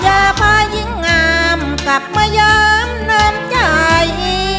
อย่าพายิ่งงามกลับมายามน้ำใจ